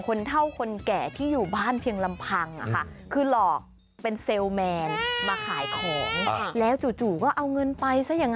คนเท่าคนแก่ที่อยู่บ้านเพียงลำพังคือหลอกเป็นเซลลแมนมาขายของแล้วจู่ก็เอาเงินไปซะอย่างนั้น